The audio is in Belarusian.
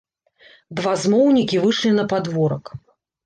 Два змоўнікі выйшлі на падворак.